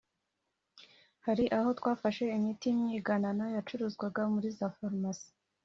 “Hari aho twafashe imiti y’imyiganano yacuruzwaga muri za Farumasi